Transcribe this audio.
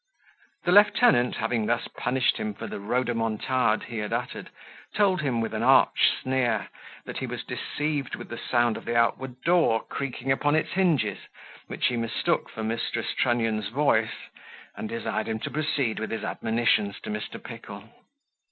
The lieutenant, having thus punished him for the rodomontade he had uttered, told him, with an arch sneer, that he was deceived with the sound of the outward door creaking upon its hinges, which he mistook for Mrs. Trunnion's voice, and desired him to proceed with his admonitions to Mr. Pickle.